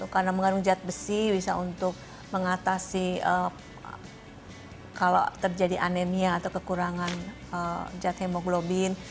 karena mengandung jahat besi bisa untuk mengatasi kalau terjadi anemia atau kekurangan jahat hemoglobin